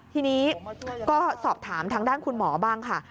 ทีนี้ก็สอบถามทางด้านคุณหมอบ้างค่ะ